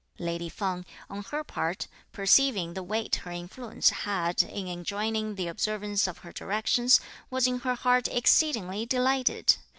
Lady Feng, on her part, (perceiving) the weight her influence had in enjoining the observance of her directions, was in her heart exceedingly delighted.